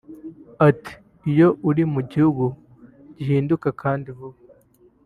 Ati “Iyo uri mu gihugu gihinduka kandi vuba